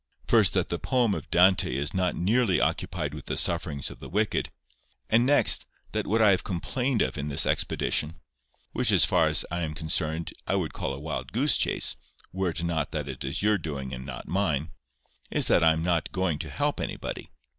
"First, that the poem of Dante is not nearly occupied with the sufferings of the wicked; and next, that what I have complained of in this expedition—which as far as I am concerned, I would call a wild goose chase, were it not that it is your doing and not mine—is that I am not going to help anybody."